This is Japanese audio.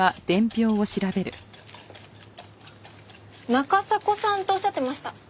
中迫さんとおっしゃってました。